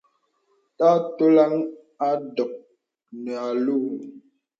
Tā tɔləŋ a dùk nə àlùù.